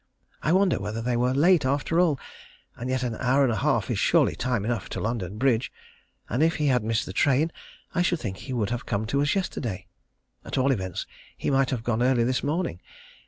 I wonder whether they were late after all, and yet an hour and a half is surely time enough to London Bridge, and if he had missed the train I should think he would have come to us yesterday. At all events he might have gone early this morning.